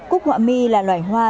cúc họa mi là loài hoa